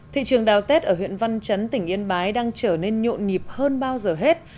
thị trường đào tết ở huyện văn chấn tỉnh yên bái đang trở nên nhộn nhịp hơn bao giờ hết